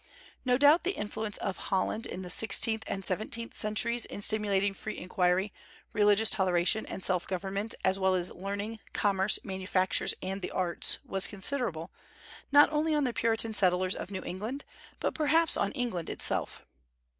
No doubt the influence of Holland in the sixteenth and seventeenth centuries in stimulating free inquiry, religious toleration, and self government, as well as learning, commerce, manufactures, and the arts, was considerable, not only on the Puritan settlers of New England, but perhaps on England itself.